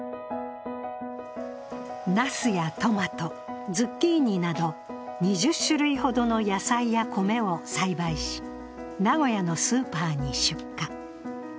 ナスやトマト、ズッキーニなど２０種類ほどの野菜や米を栽培し、名古屋のスーパーに出荷。